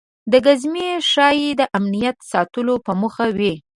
دا ګزمې ښایي د امنیت ساتلو په موخه وي.